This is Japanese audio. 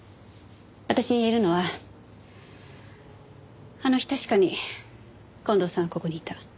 私に言えるのはあの日確かに近藤さんはここにいた。